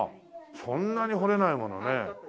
そんなに掘れないものね。